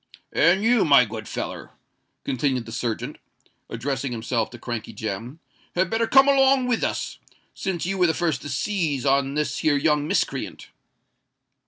"And you, my good feller," continued the serjeant, addressing himself to Crankey Jem, "had better come along with us—since you was the first to seize on this here young miscreant."